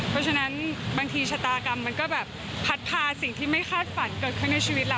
เพราะฉะนั้นบางทีชะตากรรมมันก็แบบพัดพาสิ่งที่ไม่คาดฝันเกิดขึ้นในชีวิตเรา